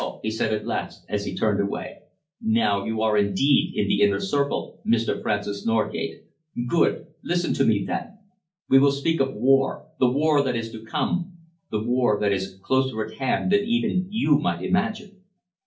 he said at last, as he turned away. "Now you are indeed in the inner circle, Mr. Francis Norgate. Good! Listen to me, then. We will speak of war, the war that is to come, the war that is closer at hand than even you might imagine."